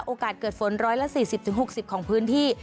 โอกาสเกิดฝน๑๔๐๖๐ของพื้นที่